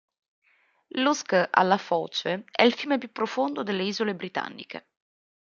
L'Usk alla foce è il fiume più profondo delle isole britanniche.